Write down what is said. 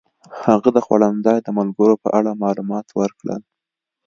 هغه د خوړنځای د ملګرو په اړه معلومات ورکړل.